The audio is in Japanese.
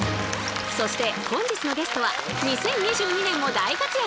そして本日のゲストは２０２２年も大活躍！